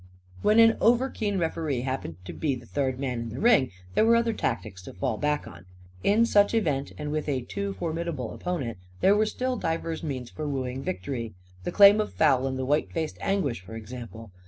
When an overkeen referee happened to be the third man in the ring there were other tactics to fall back on. In such event and with a too formidable opponent, there were still divers means for wooing victory the claim of foul and the white faced anguish, for example.